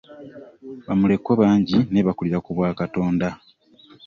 Ba mulekwa bangi naye bakulira ku bwa Katonda.